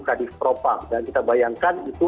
kadif propam dan kita bayangkan itu